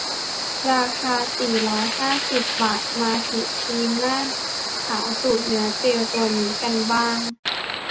ราคา สี่ร้อยห้าสิบ บาท มาถึงครีมหน้าขาวสูตรเนื้อเจลตัวนี้กันบ้าง